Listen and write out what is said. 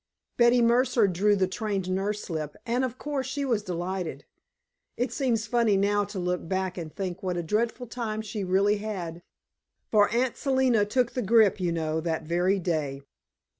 Betty Mercer drew the trained nurse slip, and, of course, she was delighted. It seems funny now to look back and think what a dreadful time she really had, for Aunt Selina took the grippe, you know, that very day.